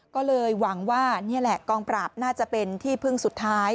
ก็เลยหวังว่านี่แหละกองปราบน่าจะเป็นที่พึ่งสุดท้าย